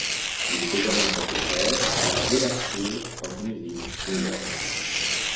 Il est également professeur à la Juilliard School of music, New York.